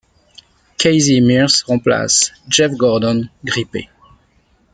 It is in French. Casey Mears remplace Jeff Gordon, grippé.